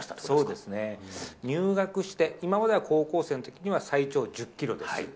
そうですね。入学して、今までは高校生のときには最長１０キロです。